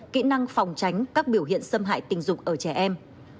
kỹ năng phòng tránh các biểu hiện xâm hại tình dục ở trẻ em